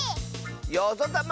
よぞたま！